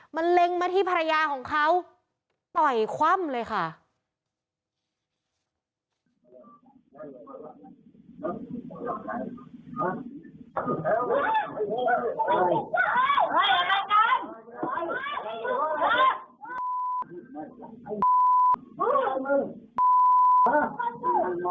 มันเล็งมาที่ภรรยาของเขาต่อยคว่ำเลยค่ะ